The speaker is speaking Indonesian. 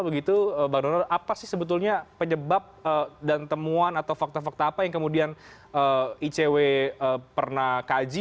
begitu bang donald apa sih sebetulnya penyebab dan temuan atau fakta fakta apa yang kemudian icw pernah kaji